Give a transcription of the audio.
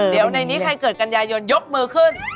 เดี๋ยวในนี้ใครเกิดกันยายนยกมือขึ้น